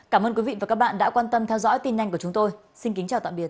cảm ơn quý vị và các bạn đã quan tâm theo dõi tin nhanh của chúng tôi xin kính chào tạm biệt